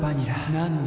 なのに．．．